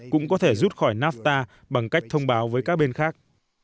cũng có thể rút khỏi nafta bằng cách thông báo với các bên khác